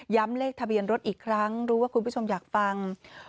เลขทะเบียนรถอีกครั้งรู้ว่าคุณผู้ชมอยากฟัง